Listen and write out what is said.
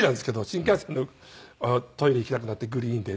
新幹線のトイレ行きたくなってグリーンで。